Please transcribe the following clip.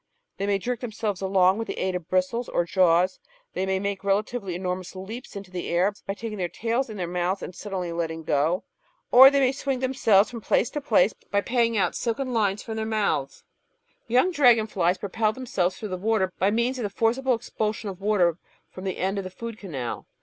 They may jerk them selves along with the aid of bristles or jaws, they may make relatively enormous leaps into the air by taking their tails in their mouths and suddenly letting go, or they may swing them selves from place to place by paying out silken lines from their 510 The Outline of Science mouths. Young dragonflies propel themselves through the water by means of the forcible expulsion of water from the end of the food canal.